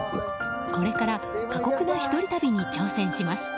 これから過酷な１人旅に挑戦します。